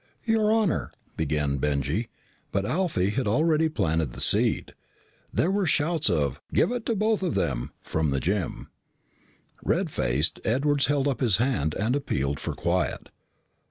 "Your honor " began Benjy. But Alfie had already planted the seed. There were shouts of "Give it to both of them" from the gym. Red faced, Edwards held up his hand and appealed for quiet.